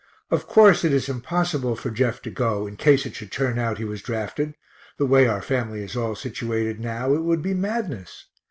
Of course it is impossible for Jeff to go, in case it should turn out he was drafted the way our family is all situated now, it would be madness.